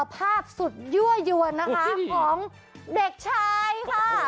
ภาพสุดยั่วยวนนะคะของเด็กชายค่ะ